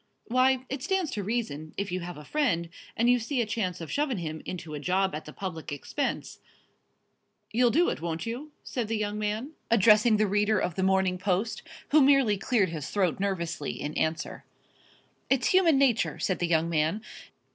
"Why, it stands to reason, if you have a friend, and you see a chance of shovin' him into a job at the public expense, you'll do it, won't you?" said the young man, addressing the reader of The Morning Post, who merely cleared his throat nervously in answer. "It's human nature," said the young man.